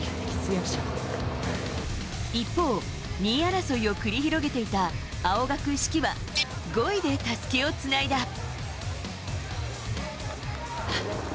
一方、２位争いを繰り広げていた青学・志貴は５位でたすきをつないだ。